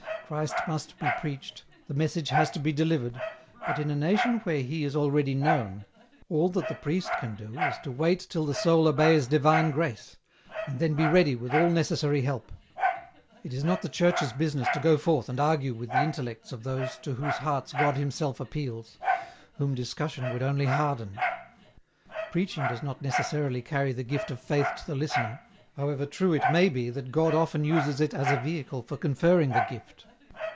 Christ must be preached, the message has to be delivered, but in a nation where He is already known, all that the priest can do is to wait till the soul obeys divine grace, and then be ready with all necessary viii TRANSLATOR'S NOTE. help ; it is not the Church's business to go forth and argue with the intellects of those to whose hearts God Himself appeals, whom discussion would only harden. Preaching does not necessarily carry the gift of Faith to the listener, however true it may be that God often uses it as a vehicle for conferring the gift.